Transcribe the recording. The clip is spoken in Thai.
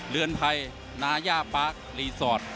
เรือนไทยนาย่าปาร์ครีสอร์ท